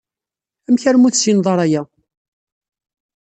Amek armi ur tessined ara aya?